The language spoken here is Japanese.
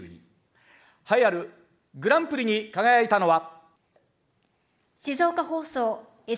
栄えあるグランプリに輝いたのは。